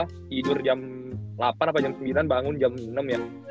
tidur jam delapan atau jam sembilan bangun jam enam ya